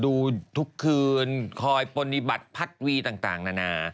ดูทุกคืนคอยปฏิบัติพัดวีต่างนานา